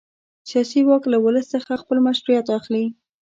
سیاسي واک له ولس څخه خپل مشروعیت اخلي.